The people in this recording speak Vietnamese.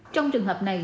trong trường hợp này